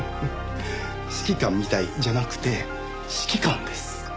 「指揮官みたい」じゃなくて指揮官です。